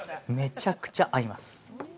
めちゃくちゃ合います。